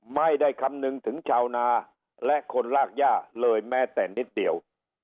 ไม่ได้คำนึงถึงชาวนาและคนรากย่าเลยแม้แต่นิดเดียว